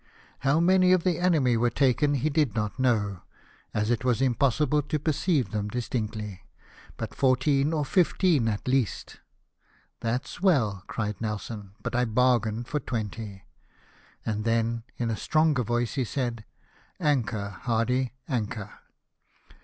How many of the enemy were taken he did not know, as it was impossible to perceive them distinctly ; but fourteen or fifteen at least. ''That's well," cried Nelson, "but I bargained for twenty." And then in a stronger voice he said, "Anchor, Hardy, anchor."